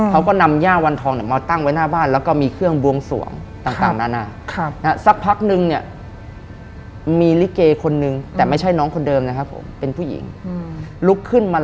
เขาก็นำย่าวันทองมาตั้งไว้หน้าบ้านแล้วก็มีเครื่องบวงสวงต่างหน้า